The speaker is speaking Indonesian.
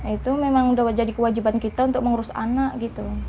itu memang udah jadi kewajiban kita untuk mengurus anak gitu